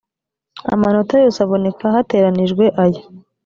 amanota yose aboneka hateranijwe aya